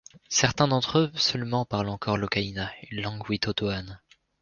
Certains d'entre eux seulement parlent encore l'ocaina, une langue witotoane.